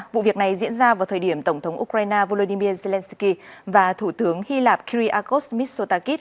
vụ việc này diễn ra vào thời điểm tổng thống ukraine volodymyr zelensky và thủ tướng hy lạp kiril acos mitsotakis